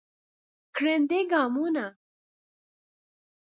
ګړندي ګامونه